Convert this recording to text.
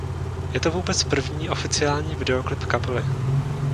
Je to vůbec první oficiální videoklip kapely.